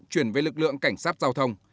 chuyển về lực lượng cảnh sát giao thông